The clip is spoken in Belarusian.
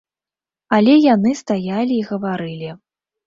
Але яны стаялі і гаварылі.